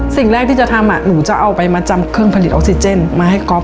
สิ่งแรกที่จะทำหนูจะเอาไปมาจำเครื่องผลิตออกซิเจนมาให้ก๊อฟ